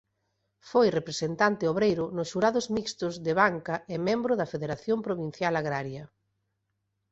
Foi representante obreiro nos Xurados Mixtos de Banca e membro da Federación Provincial Agraria.